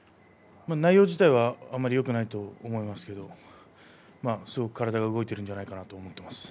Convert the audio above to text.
内容自体はあまりよくないとは思いますがすごく体が動いているのではないかと思います。